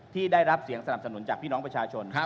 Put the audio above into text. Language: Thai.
ที่ได้รับเสียงสนับสนุนจากพี่น้องประชาชน